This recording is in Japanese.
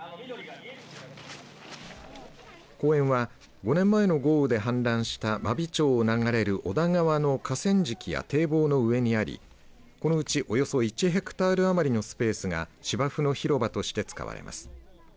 公園は５年前の豪雨で氾濫した真備町を流れる小田川の河川敷や堤防の上にありこのうちおよそ１ヘクタール余りのスペースが芝生の広場として使われます。